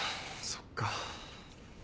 そっか。